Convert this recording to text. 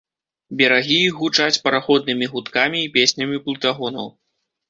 Берагі іх гучаць параходнымі гудкамі і песнямі плытагонаў.